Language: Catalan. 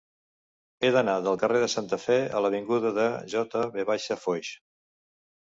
He d'anar del carrer de Santa Fe a l'avinguda de J. V. Foix.